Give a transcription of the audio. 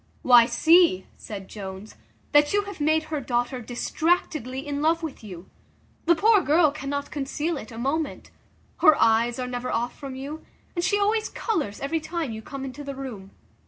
"Why, see," said Jones, "that you have made her daughter distractedly in love with you. The poor girl cannot conceal it a moment; her eyes are never off from you, and she always colours every time you come into the room.